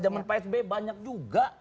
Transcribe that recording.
jaman pak sb banyak juga